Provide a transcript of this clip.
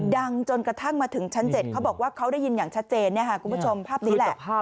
ดังจนกระทั่งมาถึงชั้น๗เขาบอกว่าเขาได้ยินอย่างชัดเจนคุณผู้ชมภาพนี้แหละ